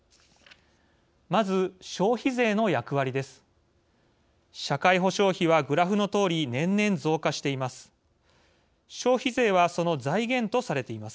まず、消費税の役割です。